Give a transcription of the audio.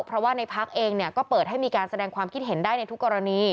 เพราะว่าในพักเองก็เปิดให้มีการแสดงความคิดเห็นได้ในทุกกรณี